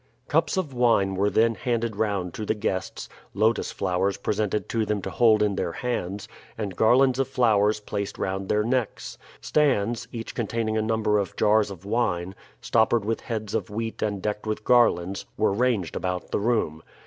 Cups of wine were then handed round to the guests, lotus flowers presented to them to hold in their hands, and garlands of flowers placed round their necks. Stands, each containing a number of jars of wine, stoppered with heads of wheat and decked with garlands, were ranged about the room.